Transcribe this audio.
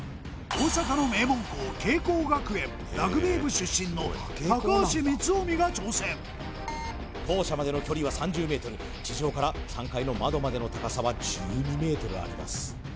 大阪の名門校啓光学園ラグビー部出身の高橋光臣が挑戦校舎までの距離は３０ｍ地上から３階の窓までの高さは１２ｍあります